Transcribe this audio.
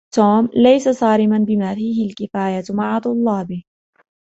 توم ليس صارماً بما فيهِ الكفاية مع طلابه.